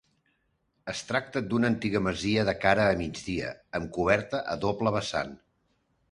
Es tracta d'una antiga masia de cara a migdia, amb coberta a doble vessant.